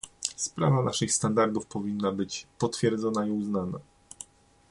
Sprawa naszych standardów powinna być potwierdzona i uznana